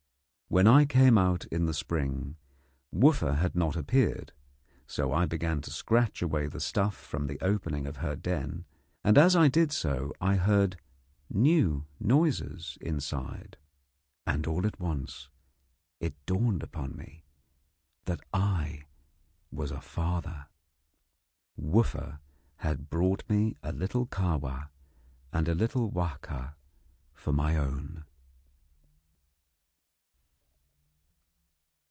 When I came out in the spring, Wooffa had not appeared, so I began to scratch away the stuff from the opening of her den, and as I did so I heard new noises inside; and all at once it dawned upon me that I was a father. Wooffa had brought me a little Kahwa and a little Wahka for my own.